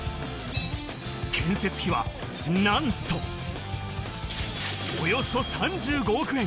建設費がなんとおよそ３５億円。